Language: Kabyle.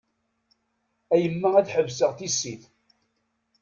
A yemma ad ḥebseɣ tissit.